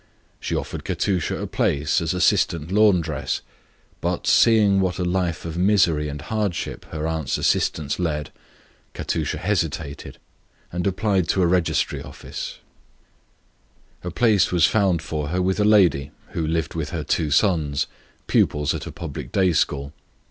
She offered Katusha the place of an assistant laundress; but seeing what a life of misery and hardship her aunt's assistants led, Katusha hesitated, and applied to a registry office for a place. One was found for her with a lady who lived with her two sons, pupils at a public day school.